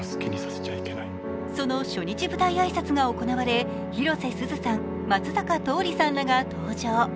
その初日舞台挨拶が行われ、広瀬すずさん、松坂桃李さんらが登場。